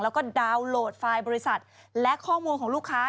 แล้วก็ดาวน์โหลดไฟล์บริษัทและข้อมูลของลูกค้า